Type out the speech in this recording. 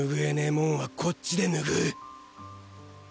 もんはこっちで拭う。